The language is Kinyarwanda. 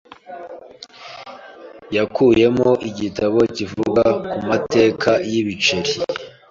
Yakuyemo igitabo kivuga ku mateka y'ibiceri.